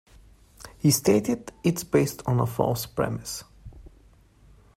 He stated, It's based on a false premise...